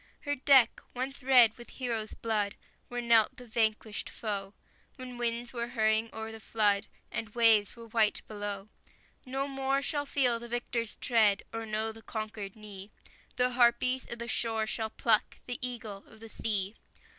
Her deck, once red with heroes' blood, Where knelt the vanquished foe, When winds were hurrying o'er the flood And waves were white below, No more shall feel the victor's tread, Or know the conquered knee; The harpies of the shore shall pluck The eagle of the sea!